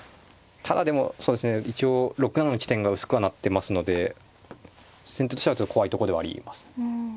ただでも一応６七の地点が薄くはなってますので先手としてはちょっと怖いとこではあります。